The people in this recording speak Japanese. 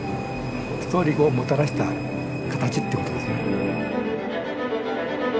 ストーリーをもたらした形ってことですね。